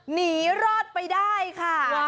หนีรอดไปได้ค่ะ